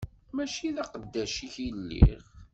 Mačči d aqeddac-ik i lliɣ.